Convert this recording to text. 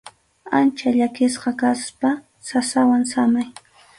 Ancha llakisqa kaspa sasawan samay.